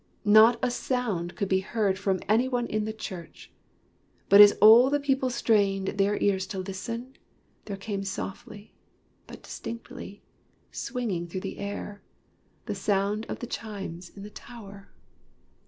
Not a sound could be heard from any one in the church, but as all the people strained their ears to listen, there came softly, but distinctly, swinging through the air, the sound of the chimes in the tower.